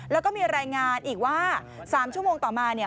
แล้วก็มีรายงานอีกว่า๓ชั่วโมงต่อมาเนี่ย